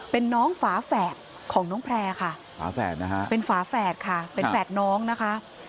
เป็นน้องฝาแฝดของน้องแพร่ค่ะฝาแฝดนะคะเป็นฝาแฝดค่ะเป็นแฝดน้องนะคะ